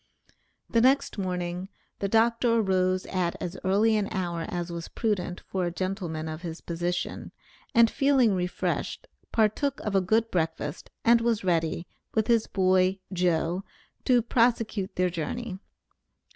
The next morning the Dr. arose at as early an hour as was prudent for a gentleman of his position, and feeling refreshed, partook of a good breakfast, and was ready, with his boy, "Joe," to prosecute their journey.